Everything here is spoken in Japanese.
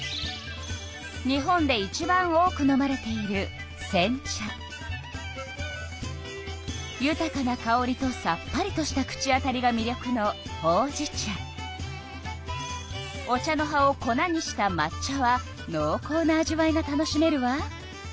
日本でいちばん多く飲まれているゆたかなかおりとさっぱりとした口当たりがみりょくのお茶の葉を粉にしたまっ茶はのうこうな味わいが楽しめるわ。